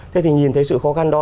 thế thì nhìn thấy sự khó khăn đó